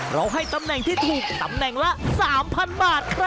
ให้ตำแหน่งที่ถูกตำแหน่งละ๓๐๐บาทครับ